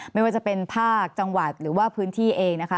ไม่ว่าจะเป็นภาคจังหวัดหรือว่าพื้นที่เองนะคะ